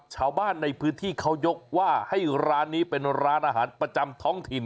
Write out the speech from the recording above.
ชาวบ้านในพื้นที่เขายกว่าให้ร้านนี้เป็นร้านอาหารประจำท้องถิ่น